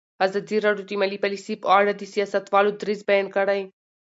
ازادي راډیو د مالي پالیسي په اړه د سیاستوالو دریځ بیان کړی.